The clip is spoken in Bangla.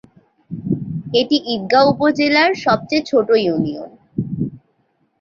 এটি ঈদগাঁও উপজেলার সবচেয়ে ছোট ইউনিয়ন।